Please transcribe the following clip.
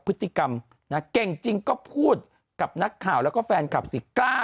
พฤติกรรมนะเก่งจริงก็พูดกับนักข่าวแล้วก็แฟนคลับสิ